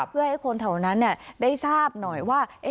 เพื่อให้คนแถวนั้นได้ทราบหน่อยว่า